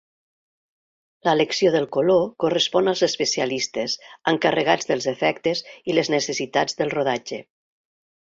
L'elecció del color correspon als especialistes encarregats dels efectes i les necessitats del rodatge.